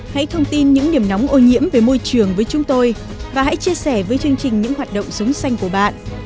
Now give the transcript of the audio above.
hãy thông tin những điểm nóng ô nhiễm về môi trường với chúng tôi và hãy chia sẻ với chương trình những hoạt động sống xanh của bạn